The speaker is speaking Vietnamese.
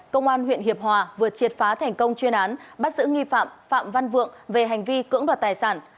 công an huyện hiệp hòa vừa triệt phá thành công chuyên án bắt giữ nghi phạm phạm văn vượng về hành vi cưỡng đoạt tài sản